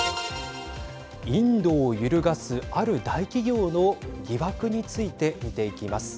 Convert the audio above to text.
インドを揺るがす、ある大企業の疑惑について見ていきます。